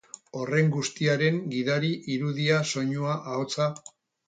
Horren guztiaren gidari, irudia, soinua, ahotsa.